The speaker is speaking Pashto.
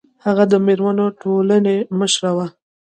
هغه د میرمنو ټولنې مشره وه